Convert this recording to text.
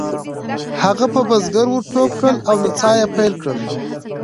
هغه په بزګر ور ټوپ کړل او نڅا یې پیل کړه.